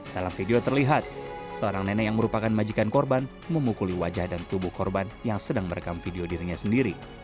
dalam video terlihat seorang nenek yang merupakan majikan korban memukuli wajah dan tubuh korban yang sedang merekam video dirinya sendiri